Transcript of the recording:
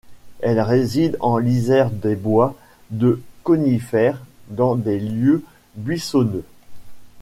Elle réside en lisière des bois de conifères dans des lieux buissonneux.